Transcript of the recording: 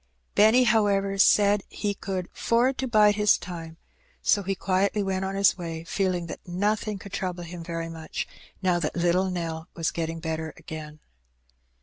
Benny, however, said that he could "'ford to bide his time," so he quietly went on his way, feeling that nothing could trouble him very much now that "little Nell" was getting better again.